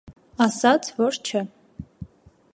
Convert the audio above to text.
- Ասաց, որ չէ: